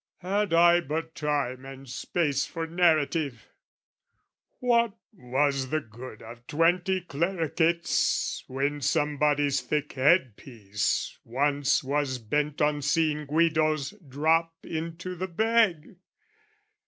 "Had I but time and space for narrative! "What was the good of twenty Clericates "When somebody's thick headpiece once was bent "On seeing Guido's drop into the bag?